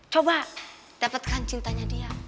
coba dapatkan cintanya dia